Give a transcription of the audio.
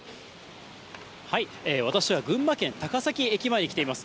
私は群馬県高崎駅前に来ています。